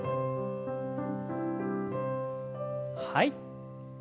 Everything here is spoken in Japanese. はい。